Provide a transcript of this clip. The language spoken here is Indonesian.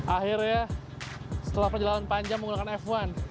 akhirnya setelah perjalanan panjang menggunakan f satu